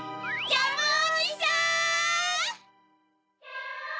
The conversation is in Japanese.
・ジャムおじさん！